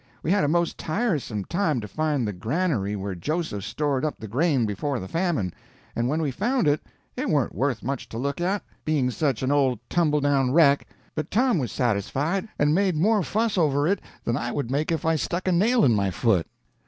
We had a most tiresome time to find the granary where Joseph stored up the grain before the famine, and when we found it it warn't worth much to look at, being such an old tumble down wreck; but Tom was satisfied, and made more fuss over it than I would make if I stuck a nail in my foot.